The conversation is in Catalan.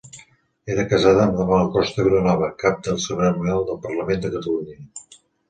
Era casada amb Dalmau Costa Vilanova, cap de cerimonial del Parlament de Catalunya.